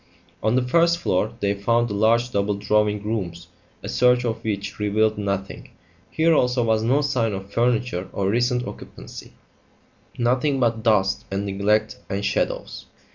On the first floor they found the large double drawing rooms, a search of which revealed nothing. Here also was no sign of furniture or recent occupancy; nothing but dust and neglect and shadows.